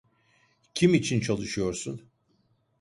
Kim için çalışıyorsun?